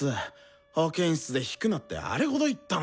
保健室で弾くなってあれほど言ったのに。